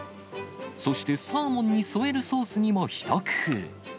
そしてサーモンに添えるソースにも一工夫。